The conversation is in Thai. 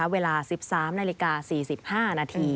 เวลา๑๓นาฬิกา๔๕นาที